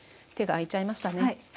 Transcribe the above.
手が空いちゃいましたね。